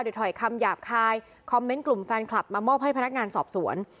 เดี๋ยวถอยคำหยาบคายคอมเมนต์กลุ่มแฟนคลับมามอบให้พนักงานสอบสวน